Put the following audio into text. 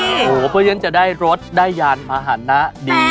อุ๊ยดีโอ้โหเพราะฉะนั้นจะได้รถได้ยานอาหารนะดี